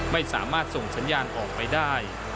ไม่สามารถส่งสัญญาณออกไปได้